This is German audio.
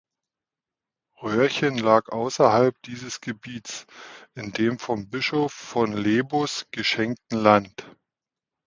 Rörchen lag außerhalb dieses Gebietes in dem vom Bischof von Lebus geschenkten Land.